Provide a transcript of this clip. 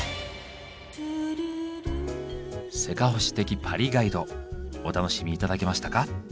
せかほし的パリガイド。お楽しみ頂けましたか？